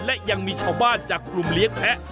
และยังมีชาวบ้านจากกลุ่มเลี้ยงแพะ